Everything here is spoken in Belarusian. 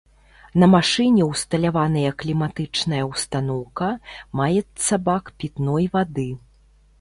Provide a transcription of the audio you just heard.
На машыне ўсталяваныя кліматычная ўстаноўка, маецца бак пітной вады.